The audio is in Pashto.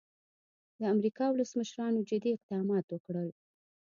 د امریکا ولسمشرانو جدي اقدامات وکړل.